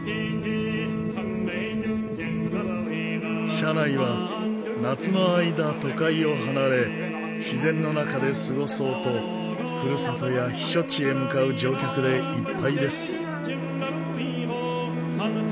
車内は夏の間都会を離れ自然の中で過ごそうとふるさとや避暑地へ向かう乗客でいっぱいです。